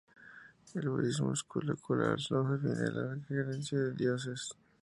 El budismo secular no defiende la creencia en dioses.